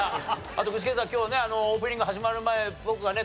あと具志堅さん今日ねオープニング始まる前僕がね